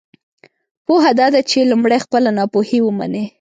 پوهه دا ده چې لمړی خپله ناپوهۍ ومنی!